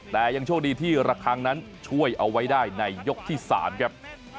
แต่ยังโชคดีที่ระคังนั้นช่วยเอาไว้ได้ในยกที่๓ครับ